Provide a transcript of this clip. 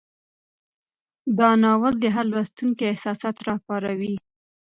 دا ناول د هر لوستونکي احساسات راپاروي.